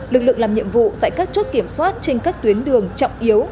lực lượng làm nhiệm vụ tại các chốt kiểm soát trên các tuyến đường trọng yếu